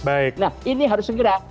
nah ini harus segera